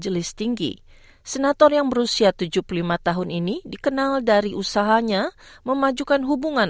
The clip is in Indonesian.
jenis tinggi senator yang berusia tujuh puluh lima tahun ini dikenal dari usahanya memajukan hubungan